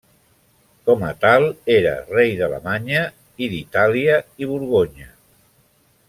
Com a tal, era Rei d'Alemanya, i d'Itàlia i Borgonya.